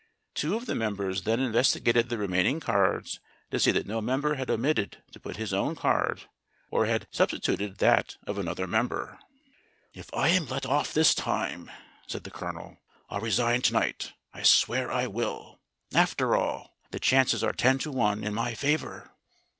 Two of the members then investigated the remaining cards to see that no member had omitted to put in his own card or had substituted that of another member. "If I'm let off this time," said the Colonel, "I'll resign to night; I swear I will. After all, the chances are ten to one in my favor."